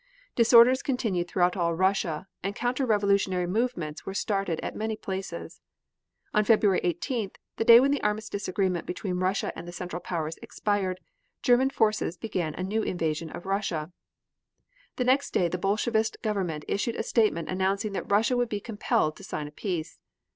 Disorders continued throughout all Russia and counter revolutionary movements were started at many places. On February 18th, the day when the armistice agreement between Russia and the Central Powers expired, German forces began a new invasion of Russia. The next day the Bolshevist Government issued a statement, announcing that Russia would be compelled to sign a peace.